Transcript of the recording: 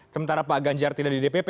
sementara pak ganjar tidak di dpp